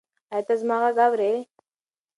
ایا ته زما غږ اورې؟